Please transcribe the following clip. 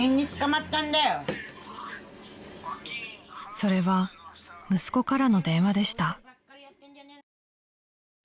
［それは息子からの電話でした］